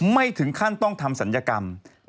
ไม่ถึงขั้นต้องทำศัลยกรรม